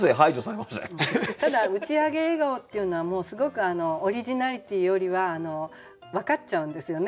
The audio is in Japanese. ただ「打ち上げ笑顔」っていうのはすごくオリジナリティーよりは分かっちゃうんですよね。